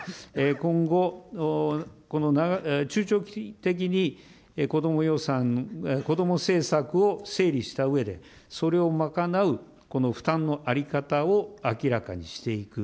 今後、この中長期的にこども政策を整理したうえで、それを賄うこの負担の在り方を明らかにしていく。